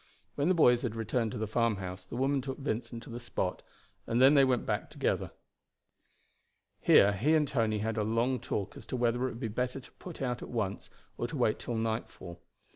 When the boys had returned to the farmhouse the woman took Vincent to the spot, and they then went back together. Here he and Tony had a long talk as to whether it would be better to put out at once or to wait till nightfall.